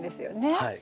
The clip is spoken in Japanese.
はい。